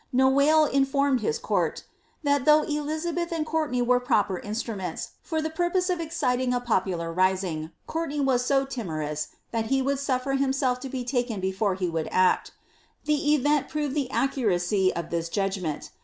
Noailles in fomed his court ^ that though Elizabeth and Courtenay were proper iastruments, for the purpose of exciting a popular rising, Courtenay was flo timorous that he would suffer himself to be taken before he would acL^' The event proved the accuracy of this judgment.